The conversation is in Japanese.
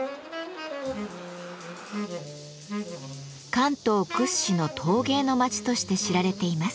関東屈指の陶芸の町として知られています。